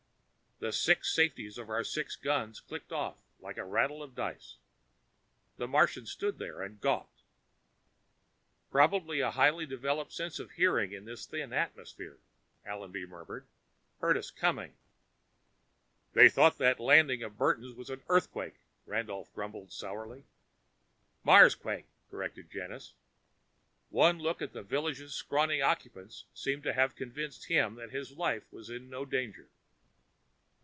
The six safeties of our six guns clicked off like a rattle of dice. The Martians stood there and gawped. "Probably a highly developed sense of hearing in this thin atmosphere," Allenby murmured. "Heard us coming." "They thought that landing of Burton's was an earthquake," Randolph grumbled sourly. "Marsquake," corrected Janus. One look at the village's scrawny occupants seemed to have convinced him that his life was in no danger.